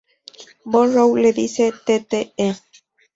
Morrow, le dice al Tte.